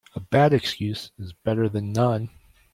A bad excuse is better then none.